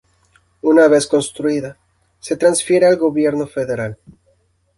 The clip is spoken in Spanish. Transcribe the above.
Una vez construida, se transfiere al gobierno federal.